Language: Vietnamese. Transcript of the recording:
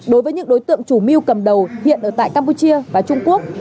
đối với những đối tượng chủ mưu cầm đầu hiện ở tại campuchia và trung quốc